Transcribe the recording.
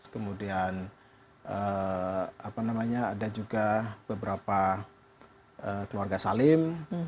kemudian ada juga beberapa keluarga salim